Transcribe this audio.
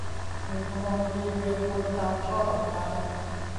หมู่ภมรบินเวียนวนตามช่อดอกไม้